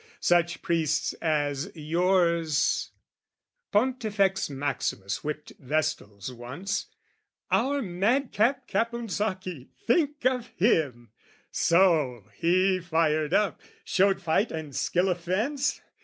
Such priests as yours "(Pontifex Maximus whipped Vestals once) "Our madcap Caponsacchi: think of him! "So, he fired up, showed fight and skill of fence?